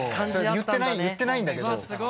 言ってないんだけど。